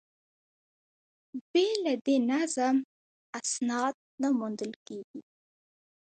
بې له دې نظم، اسناد نه موندل کېږي.